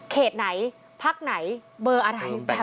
เขตไหนพักไหนเบอร์อะไรแบบไหน